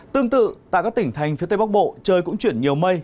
tương tự tại các tỉnh thành phía tây bắc bộ trời cũng chuyển nhiều mây